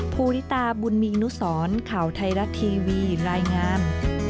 ภูริตาบุญมีนุสรข่าวไทยรัฐทีวีรายงาน